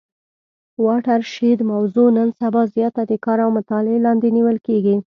واټر شید موضوع نن سبا زیاته د کار او مطالعې لاندي نیول کیږي.